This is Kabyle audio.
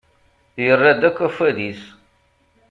Yerra-d akk afwad-is.